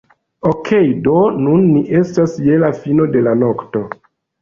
Okej' do nun ni estas je la fino de la nokto